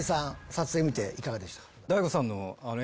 撮影見ていかがでした？